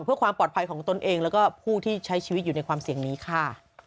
เพื่อความปลอดภัยของตนเองแล้วก็ผู้ที่ใช้ชีวิตอยู่ในความเสี่ยงนี้ค่ะ